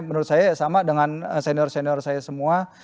menurut saya sama dengan senior senior saya semua